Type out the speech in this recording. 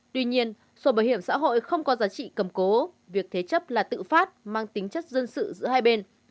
tuy nhiên sổ bảo hiểm xã hội không có giá trị cầm cố việc thế chấp là tự phát mang tính chất dân sự giữa hai bên